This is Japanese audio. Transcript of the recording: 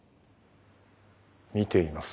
見ています。